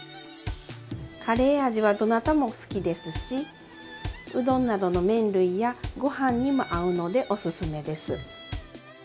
カレー味はどなたも好きですしうどんなどの麺類やごはんにも合うのでおすすめです。